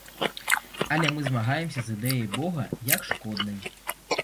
Але мы змагаемся з ідэяй бога як шкоднай.